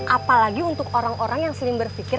apalagi untuk orang orang yang sering berpikir